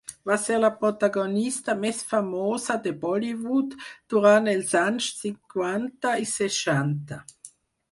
Va ser la protagonista més famosa de Bollywood durant els anys cinquanta i seixanta.